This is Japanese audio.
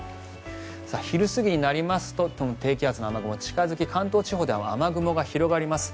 昼過ぎになりますと低気圧の雨雲が近付き関東地方では雨雲が広がります。